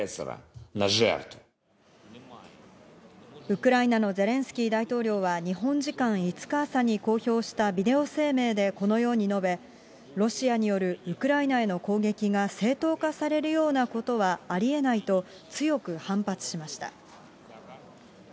ウクライナのゼレンスキー大統領は、日本時間５日朝に公表したビデオ声明でこのように述べ、ロシアによるウクライナへの攻撃が正当化されるようなことはありえないと、強く反発しました。